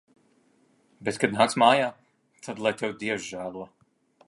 Bet kad nāks mājā, tad lai tevi Dievs žēlo.